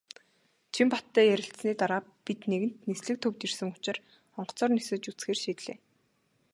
Чинбаттай ярилцсаны дараа бид нэгэнт "Нислэг" төвд ирсэн учир онгоцоор нисэж үзэхээр шийдлээ.